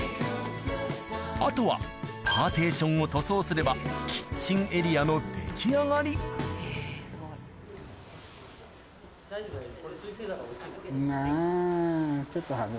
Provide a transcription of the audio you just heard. あとはパーティションを塗装すればキッチンエリアの出来上がりあぁ。